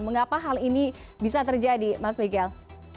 mengapa hal ini bisa terjadi mas miguel